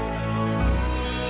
nih makan ya pa